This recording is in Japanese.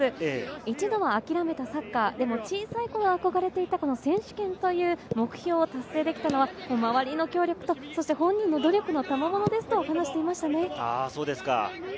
一度諦めたサッカー、でも小さい頃憧れていった選手権という目標を達成できたのは、周りの協力と本人の努力のたまものですと話をしていました。